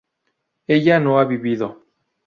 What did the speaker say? ella no ha vivido